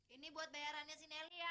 ini buat bayarannya si nelly ya